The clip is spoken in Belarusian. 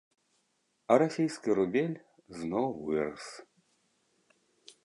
А расійскі рубель зноў вырас.